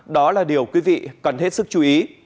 đó là điều quý vị cần hết sức chú ý